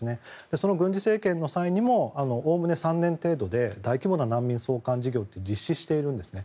その軍事政権の際にもおおむね３年程度で大規模な難民送還事業って実施しているんですね。